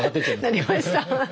なりましたはい。